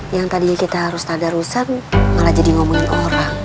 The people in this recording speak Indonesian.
yang tadinya kita harus tadarusan malah jadi ngomongin orang